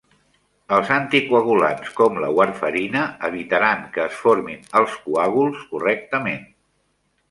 Els anticoagulants com la warfarina evitaran que es formin els coàguls correctament.